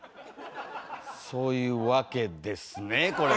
そういうわけですねこれは。